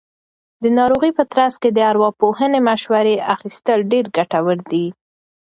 د ناروغۍ په ترڅ کې د ارواپوهنې مشورې اخیستل ډېر ګټور دي.